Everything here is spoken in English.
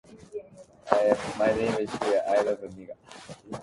She received the PhD degree in Humanities from Ochanomizu University.